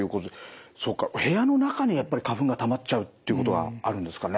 そうか部屋の中にやっぱり花粉がたまっちゃうということがあるんですかね。